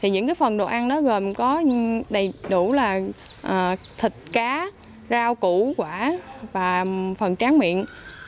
những phần đồ ăn đó gồm có đầy đủ là thịt cá rau củ quả và phần tráng miệng